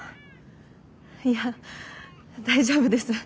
いや大丈夫です。